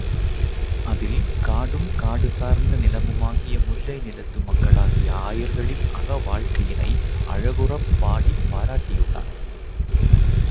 அதில், காடும் காடு சார்ந்த நிலமுமாகிய முல்லை நிலத்து மக்களாகிய ஆயர்களின் அகவாழ்க்கையினை அழகுறப் பாடிப் பாராட்டியுள்ளான்.